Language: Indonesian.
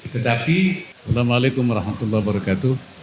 tetapi assalamu alaikum warahmatullahi wabarakatuh